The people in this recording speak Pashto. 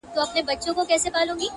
• ورپسې مي اورېدلې له پوهانو ,